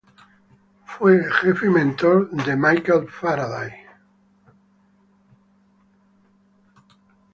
Fue jefe y mentor de Michael Faraday.